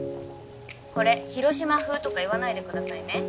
これ「広島風」とか言わないでくださいね。